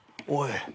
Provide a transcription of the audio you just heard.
おい。